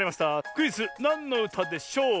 クイズ「なんのうたでしょう」！